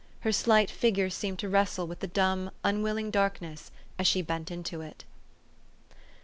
Her slight figure seemed to wrestle with the dumb, unwilling darkness as she bent into it.